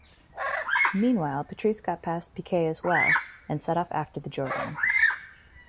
Meanwhile, Patrese got past Piquet as well and set off after the Jordan.